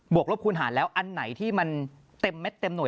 กลบคูณหารแล้วอันไหนที่มันเต็มเม็ดเต็มห่ว